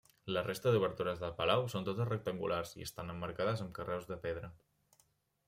La resta d'obertures del palau són totes rectangulars i estan emmarcades amb carreus de pedra.